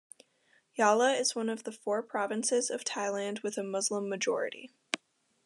Yala is one of the four provinces of Thailand with a Muslim majority.